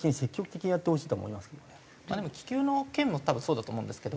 まあでも気球の件も多分そうだと思うんですけど